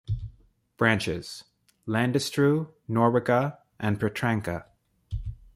Branches: Landestreu, Nowica, and Petranka.